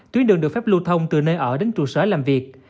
tuyến đường được phép lưu thông từ nơi ở đến trụ sở làm việc